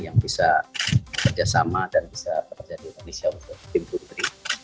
yang bisa bekerja sama dan bisa bekerja di indonesia untuk tim putri